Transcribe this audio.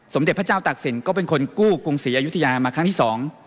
เด็จพระเจ้าตักศิลป์ก็เป็นคนกู้กรุงศรีอยุธยามาครั้งที่สอง